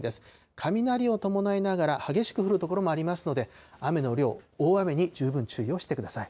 雷を伴いながら激しく降る所もありますので、雨の量、大雨に十分注意をしてください。